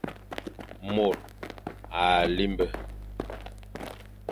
Mor à limbe.